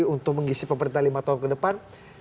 untuk mengisi pemerintah lima tahun ke depan